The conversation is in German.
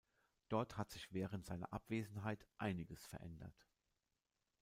Dort hat sich während seiner Abwesenheit einiges verändert.